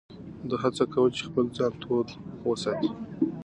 ده هڅه کوله چې خپل ځان تود وساتي.